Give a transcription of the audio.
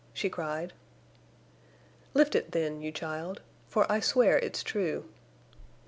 she cried. "Lift it then—you child. For I swear it's true."